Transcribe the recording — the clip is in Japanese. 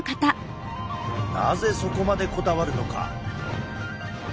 なぜそこまでこだわるのか。